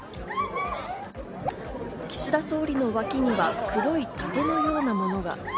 岸田総理の脇には黒い盾のようなものが。